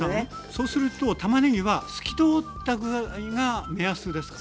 そうするとたまねぎは透き通ったぐらいが目安ですか？